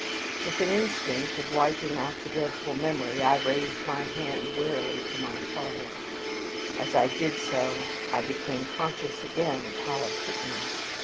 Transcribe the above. With an instinct of wiping out the dreadful memory, I raised my hand wearily to my forehead. As I did so, I became conscious again of how it hurt me.